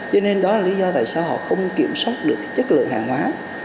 cho nên đó là lý do tại sao họ không kiểm soát được chất lượng hàng hóa